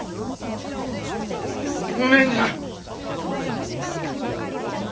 無念じゃ。